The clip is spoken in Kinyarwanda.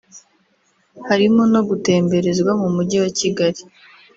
harimo no gutemberezwa mu mujyi wa Kigali